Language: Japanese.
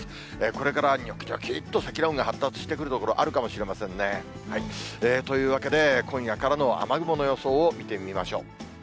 これからにょきにょきっと積乱雲が発達してくる所、あるかもしれませんね。というわけで、今夜からの雨雲の予想を見てみましょう。